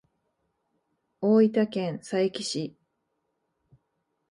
大分県佐伯市